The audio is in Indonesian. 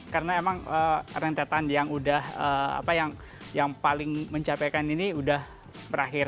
karena emang rentetan yang paling mencapai ini udah berakhir